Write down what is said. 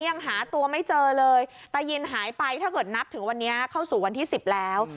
ยังหาตัวไม่เจอเลยตายินหายไปถ้าเกิดนับถึงวันนี้เข้าสู่วันที่สิบแล้ว